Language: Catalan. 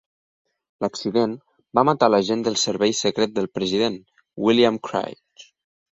L'accident va matar l'agent del Servei Secret del president, William Craig.